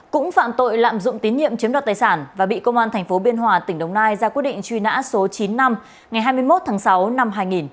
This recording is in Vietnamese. cũng phạm tội lạm dụng tín nhiệm chiếm đoạt tài sản và bị công an thành phố biên hòa tỉnh đồng nai ra quy định truy nã số chín năm ngày hai mươi một tháng sáu năm hai nghìn